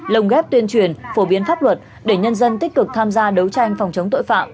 lồng ghép tuyên truyền phổ biến pháp luật để nhân dân tích cực tham gia đấu tranh phòng chống tội phạm